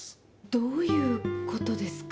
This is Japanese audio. どういうことですか？